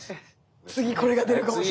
次これが出るかもしれない。